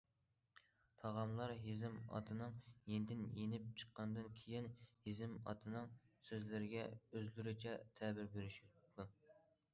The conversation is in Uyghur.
تاغاملار ھېزىم ئاتىنىڭ يېنىدىن يېنىپ چىققاندىن كېيىن ھېزىم ئاتىنىڭ سۆزلىرىگە ئۆزلىرىچە تەبىر بېرىشىپتۇ.